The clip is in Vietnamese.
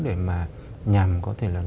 để mà nhằm có thể là